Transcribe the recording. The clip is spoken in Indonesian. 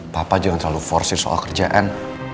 papa jangan terlalu force soal kerjaan